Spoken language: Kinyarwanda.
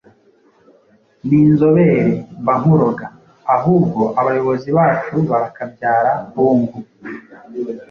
Ni inzobere mba nkuroga! Ahubwo abayobozi bacu barakabyara hungu